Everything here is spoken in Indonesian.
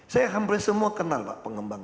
saya hampir semua kenal pak pengembang